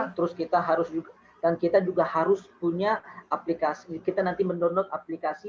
terus kita harus juga dan kita juga harus punya aplikasi kita nanti mendownload aplikasi